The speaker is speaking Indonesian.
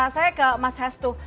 saya ke mas hestu